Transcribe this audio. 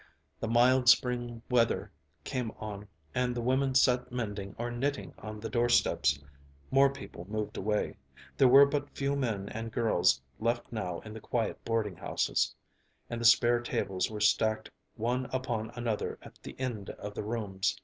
The mild spring weather came on and the women sat mending or knitting on the doorsteps. More people moved away; there were but few men and girls left now in the quiet boarding houses, and the spare tables were stacked one upon another at the end of the rooms.